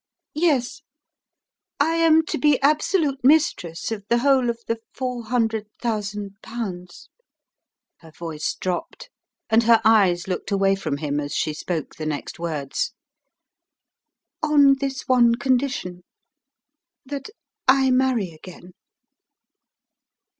"Yes. I am to be absolute mistress of the whole of the four hundred thousand pounds " her voice dropped, and her eyes looked away from him as she spoke the next words "on this one condition, that I marry again."